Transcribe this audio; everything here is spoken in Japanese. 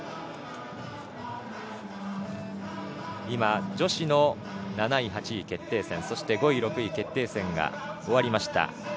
今、女子の７位８位決定戦５位６位決定戦が終わりました。